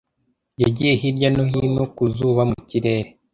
yagiye hirya no hino ku zuba mu kirere